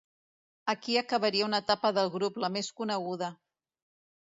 Aquí acabaria una etapa del grup, la més coneguda.